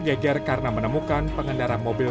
geger karena menemukan pengendara mobil